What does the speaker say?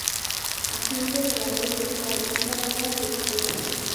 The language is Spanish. Agente de la ley local. Era hora que viniera.